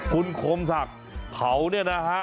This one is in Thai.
คุณคมศักดิ์เขาเนี่ยนะฮะ